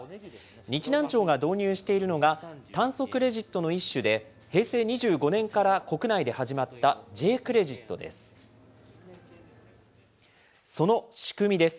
日南町が導入しているのが、炭素クレジットの一種で、平成２５年から国内で始まったＪークレジットです。